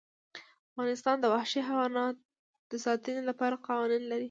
افغانستان د وحشي حیوانات د ساتنې لپاره قوانین لري.